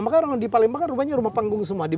maka di palembang rumahnya rumah panggung semua